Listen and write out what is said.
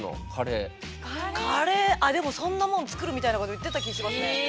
カレーあっでもそんなもん作るみたいなこと言ってた気しますね。